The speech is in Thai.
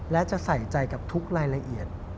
และจะใส่ใจกับทุกรายละเอียด